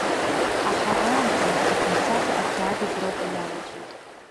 Аха аамҭа рацәак мцакәа ақьаад Европа иалаҵәеит.